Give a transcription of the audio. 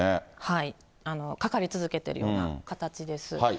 かかり続けてるような形です。